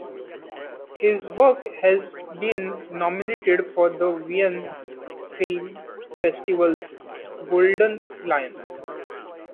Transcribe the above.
His works have been nominated for the Venice Film Festival's Golden Lion.